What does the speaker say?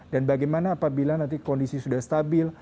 dan bagaimana apabila nanti kondisi sudah stabil